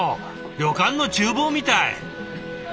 旅館のちゅう房みたい！